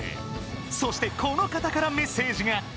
そしてこの方からメッセージが。